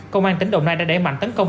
công an tỉnh đồng nai đã đẩy mạnh tấn công